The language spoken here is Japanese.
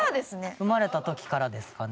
生まれた時からですかね。